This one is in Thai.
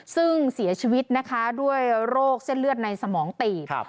ซึ่งเสียชีวิตนะคะด้วยโรคเส้นเลือดในสมองตีบ